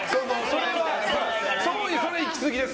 それはいきすぎです。